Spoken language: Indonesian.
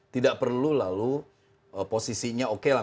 tidak perlu lalu posisinya oke lah